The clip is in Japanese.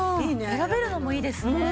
選べるのもいいですね。